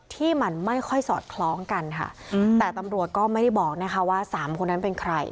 ที่มันไม่ค่อยสอดคล้องกันค่ะแต่ตำรวจก็ไม่ได้บอกนะคะว่าสามคนนั้นเป็นใคร